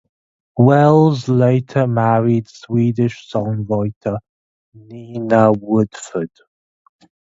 Wells later married Swedish songwriter Nina Woodford.